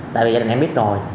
tại vì gia đình em biết rồi